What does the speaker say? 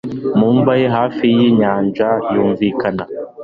mu mva ye hafi y'inyanja yumvikana